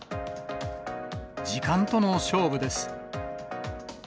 時間との勝負です。